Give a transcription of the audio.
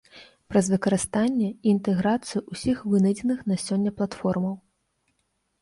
Праз выкарыстанне і інтэграцыю ўсіх вынайдзеных на сёння платформаў.